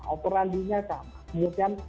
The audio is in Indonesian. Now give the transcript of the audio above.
operandinya sama kemudian